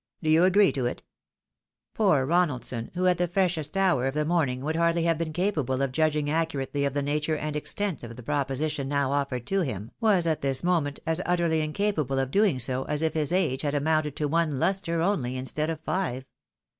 Do you agree to it ?" Poor Ronaldson, who at the freshest hour of the morning would hardly have been capable of judging accurately of the nature and extent of the proposition now offered to him, was at this moment as utterly incapable of doing so as if his age had amounted to one lustre only, instead of live.